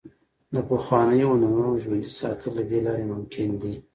د پخوانیو هنرونو ژوندي ساتل له دې لارې ممکن دي.